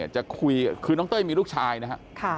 จะคุยคือน้องเต้ยมีลูกชายนะครับ